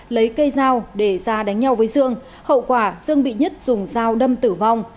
lấy cây dao để ra đánh nhau với dương hậu quả dương bị nhất dùng dao đâm tử vong